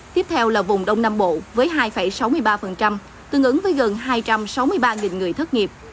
tiếp theo là vùng đông nam bộ với hai sáu mươi ba tương ứng với gần hai sáu